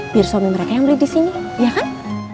biar suami mereka yang beli di sini ya kan